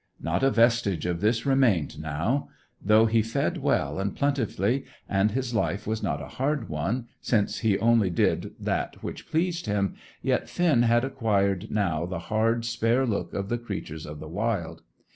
Not a vestige of this remained now. Though he fed well and plentifully, and his life was not a hard one, since he only did that which pleased him, yet Finn had acquired now the hard, spare look of the creatures of the wild.